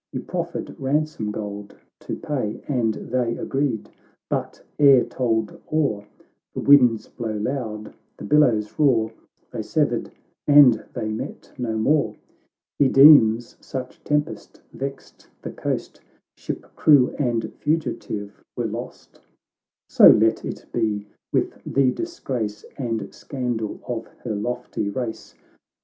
He proffered ransom gold to pay, And they agreed — but, ere told o'er, The winds blow loud, the billows roar ; They severed, and they met no more. He deems— such tempest vexed the coast — Ship, crew, and fugitive, were lost. — So let it be, with the disgrace And scandal of her lofty race !